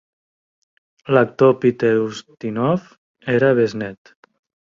L'actor Peter Ustinov era besnet.